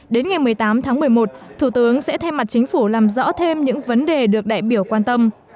đến ngày một mươi tám tháng một mươi một thủ tướng sẽ thay mặt chính phủ làm rõ thêm những vấn đề được đại biểu quan tâm